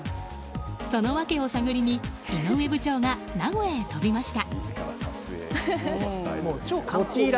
その訳を探りに井上部長が名古屋へ飛びました。